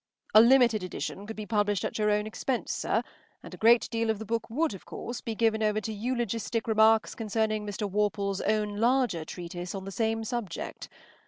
A limited edition could be published at your expense, sir, and a great deal of the book would, of course, be given over to eulogistic remarks concerning Mr. Worple’s own larger treatise on the same subject.